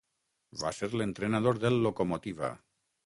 Va ser l'entrenador del Lokomotiva.